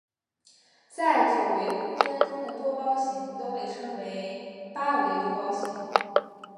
在九维空间中的多胞形都被称为八维多胞形。